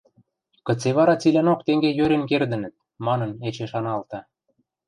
Кыце вара цилӓнок тенге йӧрен кердӹнӹт? – манын, эче шаналта.